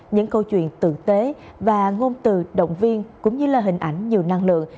những câu chuyện tử tế và ngôn từ động viên cũng như là hình ảnh nhiều năng lượng